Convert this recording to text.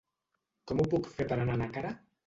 Com ho puc fer per anar a Nàquera?